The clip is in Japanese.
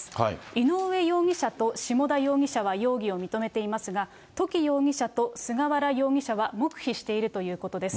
井上容疑者と下田容疑者は容疑を認めていますが、土岐容疑者と菅原容疑者は黙秘しているということです。